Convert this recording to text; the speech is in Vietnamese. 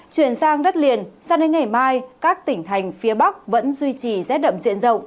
chuyển sang đất liền sang đến ngày mai các tỉnh thành phía bắc vẫn duy trì rét đậm diện rộng